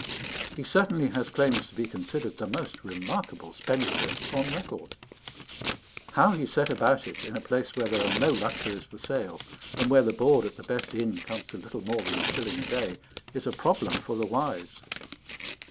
He certainly has claims to be considered the most remarkable spendthrift on record. How he set about it, in a place where there are no luxuries for sale, and where the board at the best inn comes to little more than a shilling a day, is a problem for the wise.